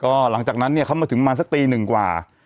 หลังจากนั้นเนี่ยเขามาถึงประมาณสักตีหนึ่งกว่า